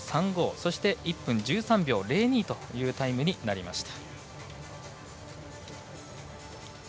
そして１分１３秒０２というタイムになりました。